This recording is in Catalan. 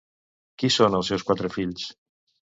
Qui són els seus quatre fills?